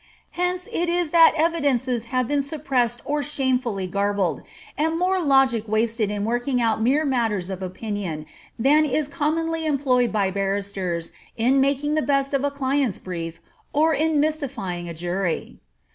Hence it is that evidences have been suppressed or shamefully garbled, and more logic wasted in working out mere matters of opinion than is commonly employed by barristers in making the best of a client's brief, or in mystifying a jury.